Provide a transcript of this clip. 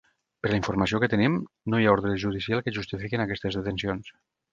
Per la informació que tenim, no hi ha ordre judicial que justifiquin aquestes detencions.